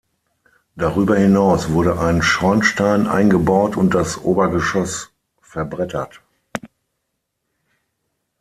Darüber hinaus wurde ein Schornstein eingebaut und das Obergeschoss verbrettert.